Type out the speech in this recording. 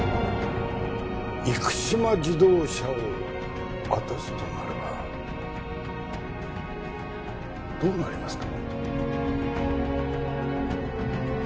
生島自動車を渡すとなればどうなりますか？